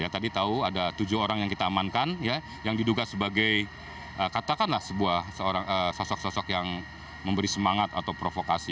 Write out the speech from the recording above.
tadi tahu ada tujuh orang yang kita amankan yang diduga sebagai katakanlah sebuah sosok sosok yang memberi semangat atau provokasi